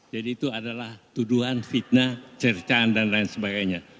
jadi itu adalah tuduhan fitnah cercaan dan lain sebagainya